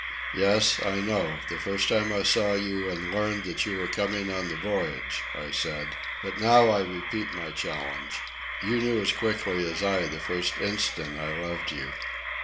"Yes, I know, the first time I saw you and learned that you were coming on the voyage," I said. "But now I repeat my challenge. You knew as quickly as I the first instant I loved you."